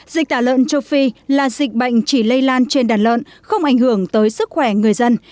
dịch tả lợn châu phi là dịch bệnh chỉ lây lan trên đàn lợn không ảnh hưởng tới sức khỏe người dân